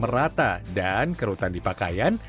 merata dan kerutan di pakaian